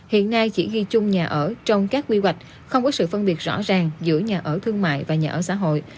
hiện nay chỉ ghi chung nhà ở trong các quy hoạch không có sự phân biệt rõ ràng giữa nhà ở thương mại và nhà ở xã hội